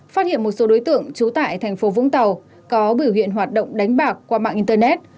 phát hiện một số đối tượng trú tại thành phố vũng tàu có biểu hiện hoạt động đánh bạc qua mạng internet